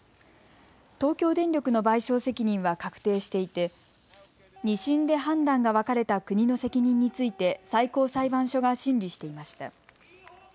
東京電力の賠償責任は確定していて２審で判断が分かれた国の責任について最高裁判所が審理していました。